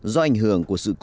do ảnh hưởng của sự cố